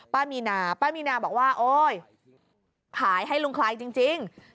ป้ามีนาป้ามีนาบอกว่าโอ๊ยขายให้ลุงคลายจริง